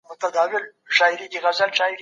موږ بايد په ټولني کي د عزت ساتنه وکړو.